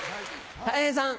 たい平さん。